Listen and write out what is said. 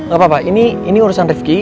gak apa apa ini urusan rifki